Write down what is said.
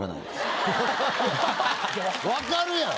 分かるやろ！